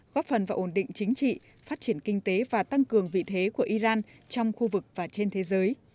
góp phần vào ổn định chính trị phát triển kinh tế và tăng cường vị thế của iran trong khu vực và trên thế giới